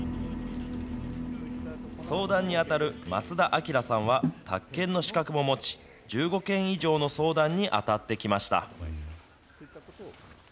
相談にあたる松田朗さんは、宅建の資格も持ち、１５件以上の相談にあたってきました。